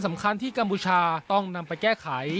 สำคัญที่กัมพูชาต้องนำไปแก้ไข